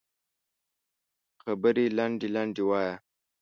خبرې لنډې لنډې وایه